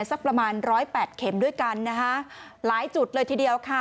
สักประมาณร้อยแปดเข็มด้วยกันนะคะหลายจุดเลยทีเดียวค่ะ